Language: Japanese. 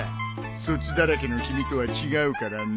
そつだらけの君とは違うからね。